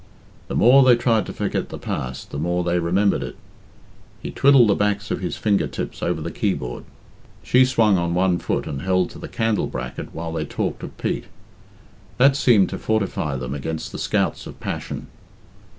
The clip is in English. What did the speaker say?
The more they tried to forget the past the more they remembered it. He twiddled the backs of his fingertips over the keyboard; she swung on one foot and held to the candle bracket while they talked of Pete. That name seemed to fortify them against the scouts of passion.